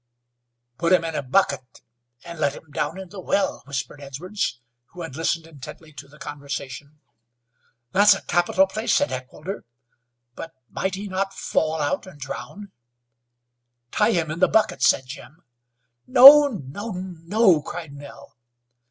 "Put him in a bucket and let him down in the well," whispered Edwards, who had listened intently to the conversation. "That's a capital place," said Heckewelder. "But might he not fall out and drown?" "Tie him in the bucket," said Jim. "No, no, no," cried Nell.